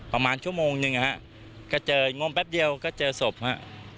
ประมาณชั่วโมงหนึ่งนะฮะก็เจองมแป๊บเดียวก็เจอศพฮะ